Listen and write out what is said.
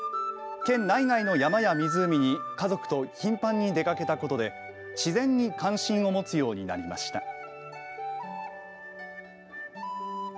県内外の山や湖に家族と頻繁に出かけたことで自然に関心を持つようになりました。